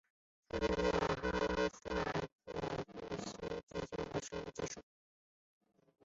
他曾在哈萨克国立大学主修生物技术。